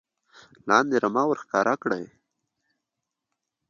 لاندې رمه ور ښکاره کړي .